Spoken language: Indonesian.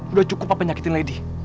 udah cukup papa nyakitin lady